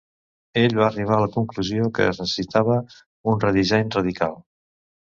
Ell va arribar a la conclusió que es necessitava un redisseny radical.